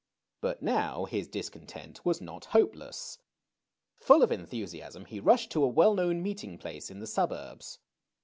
But now his discontent was not hopeless. Full of enthusiasm he rushed to a well known meeting place in the suburbs.